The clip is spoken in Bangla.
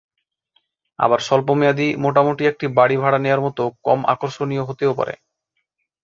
আবার স্বল্পমেয়াদী মোটামুটি একটি বাড়ি ভাড়া নেওয়ার মতো কম আকর্ষনীয় হতেও পারে।